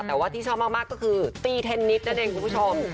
แต่ว่าที่ชอบมากก็คือตีเทนนิสนั่นเองคุณผู้ชม